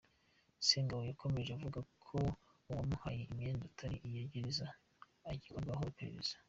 Sengabo yakomeje avuga ko uwamuhaye imyenda itari iya gereza agikorwaho iperereza.